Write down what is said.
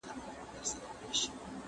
¬ لو مني، خداى نه مني.